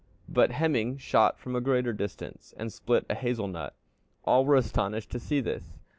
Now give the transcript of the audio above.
But Hemingr shot from a greater distance, and split a hazel nut. All were astonished to see this.